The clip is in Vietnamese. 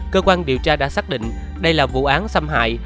cơ quan điều tra đã xác định đây là vụ án xâm hại